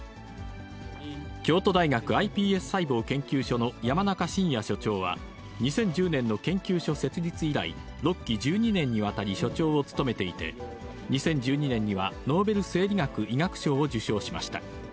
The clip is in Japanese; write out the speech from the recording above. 京都大学ｉＰＳ細胞研究所の山中伸弥所長は、２０１０年の研究所設立以来、６期１２年にわたり所長を務めていて、２０１２年にはノーベル生理学・医学賞を受賞しました。